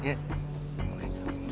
saya mau balik ke motor dulu